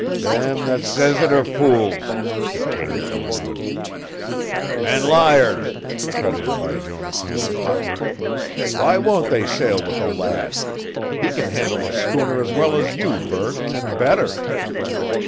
"Them that says it are fools," declared Ellinwood. "An' liars!" cut in Bijonah Tanner hotly. "Why won't they sail with the lad? He can handle a schooner as well as you, Burt, and better."